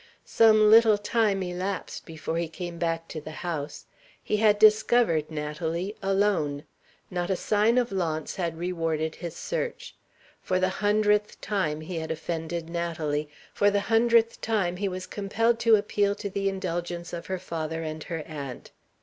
Some little time elapsed before he came back to the house. He had discovered Natalie alone. Not a sign of Launce had rewarded his search. For the hundredth time he had offended Natalie. For the hundredth time he was compelled to appeal to the indulgence of her father and her aunt.